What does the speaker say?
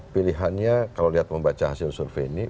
pilihannya kalau lihat membaca hasil survei ini